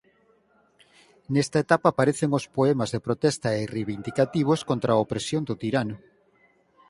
Nesa etapa aparecen os poemas de protesta e reivindicativos contra a opresión do tirano.